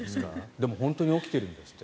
でも本当に起きているんですって。